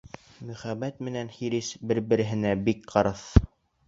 Мөхәббәт менән хирес бер-береһенә бик ҡырыҫ.